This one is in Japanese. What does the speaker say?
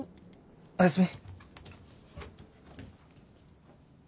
おやすみ。